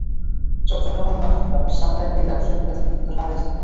চট্টগ্রামের বাসিন্দা আবদুস সাত্তারকে ব্যবসায়িক কাজে নিয়মিত ঢাকায় যেতে হয়।